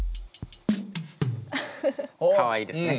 かわいいですね。